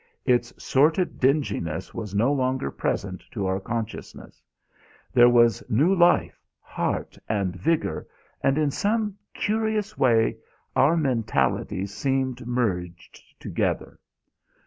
Its sordid dinginess was no longer present to our consciousness. There was new life, heart, and vigour and, in some curious way, our mentalities seemed merged together.